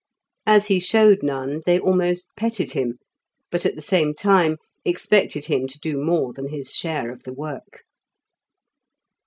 As he showed none, they almost petted him, but at the same time expected him to do more than his share of the work.